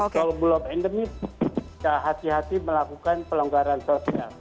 kalau belum endemik hati hati melakukan pelonggaran sosial